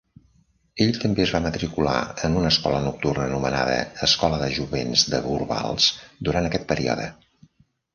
Ell també es va matricular en una escola nocturna anomenada Escola de jovens de Gorbals durant aquest període.